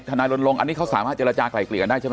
นายรณรงค์อันนี้เขาสามารถเจรจากลายเกลี่ยกันได้ใช่ไหม